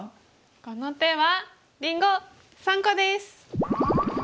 この手はりんご３個です！